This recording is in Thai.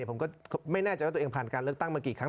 ผมก็ไม่แน่ใจว่าตัวเองผ่านการเลือกตั้งมากี่ครั้ง